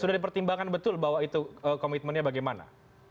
sudah dipertimbangkan betul bahwa itu komitmennya bagaimana